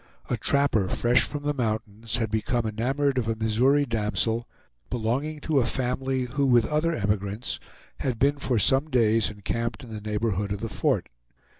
A trapper, fresh from the mountains, had become enamored of a Missouri damsel belonging to a family who with other emigrants had been for some days encamped in the neighborhood of the fort.